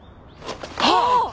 あっ！